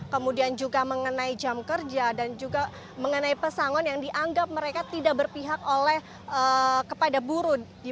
kemudian juga mengenai jam kerja dan juga mengenai pesangon yang dianggap mereka tidak berpihak kepada buruh